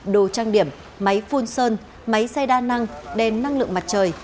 đồ trang điểm máy phun sơn máy xay đa năng đen năng lượng mặt trời